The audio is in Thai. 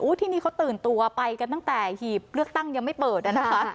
ที่นี่เขาตื่นตัวไปกันตั้งแต่หีบเลือกตั้งยังไม่เปิดนะคะ